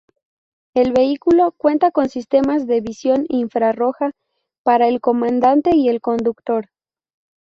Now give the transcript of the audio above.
El vehículo cuenta con sistemas de visión infrarroja para el comandante y el conductor.